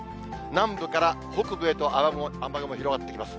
南部から北部へと雨雲広がってきます。